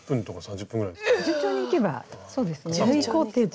順調にいけばそうですね。